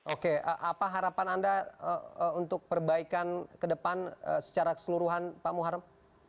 oke apa harapan anda untuk perbaikan ke depan secara keseluruhan pak muharrem